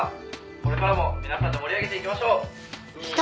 「これからも皆さんで盛り上げていきましょう」いた！